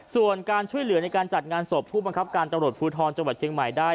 ส่วนการช่วยเหลือในการจัดงานศพผู้บังคับการตำรวจภูทรจังหวัดเชียงใหม่ได้